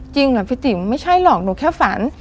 เหรอพี่ติ๋มไม่ใช่หรอกหนูแค่ฝัน